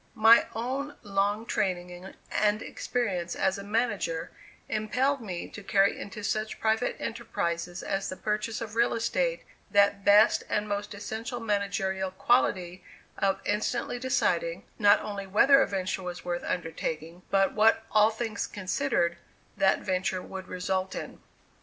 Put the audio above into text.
My own long training and experience as a manager impelled me to carry into such private enterprises as the purchase of real estate that best and most essential managerial quality of instantly deciding, not only whether a venture was worth undertaking, but what, all things considered, that venture would result in.